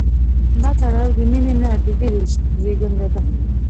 دا تړاو د مینې نه، د ویرې زېږنده دی.